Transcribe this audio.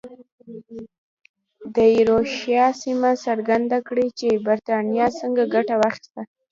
د ایروشیا سیمه څرګنده کړي چې برېټانیا څنګه ګټه واخیسته.